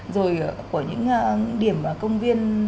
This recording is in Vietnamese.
rồi của những điểm công viên